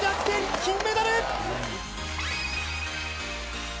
金メダル！